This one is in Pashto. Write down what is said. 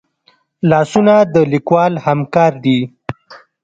لاسونه د لیکوال همکار دي